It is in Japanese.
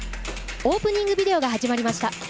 オープニングビデオが始まりました！